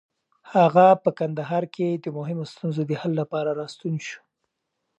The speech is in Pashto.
هغه په کندهار کې د مهمو ستونزو د حل لپاره راستون شو.